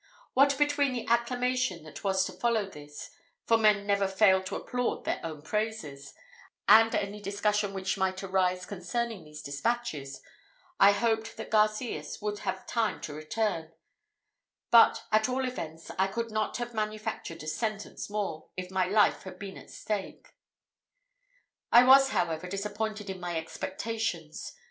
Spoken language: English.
What between the acclamation that was to follow this for men never fail to applaud their own praises and any discussion which might arise concerning the despatches, I hoped that Garcias would have time to return; but, at all events, I could not have manufactured a sentence more, if my own life had been at stake. I was, however, disappointed in my expectations.